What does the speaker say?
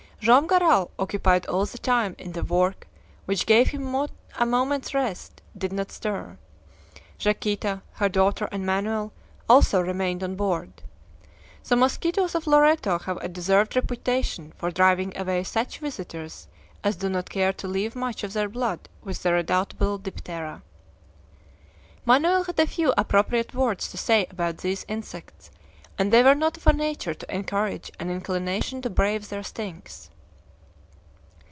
Joam Garral, occupied all the time in the work which gave him not a moment's rest, did not stir. Yaquita, her daughter, and Manoel also remained on board. The mosquitoes of Loreto have a deserved reputation for driving away such visitors as do not care to leave much of their blood with the redoubtable diptera. Manoel had a few appropriate words to say about these insects, and they were not of a nature to encourage an inclination to brave their stings.